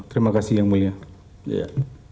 terima kasih yang mulia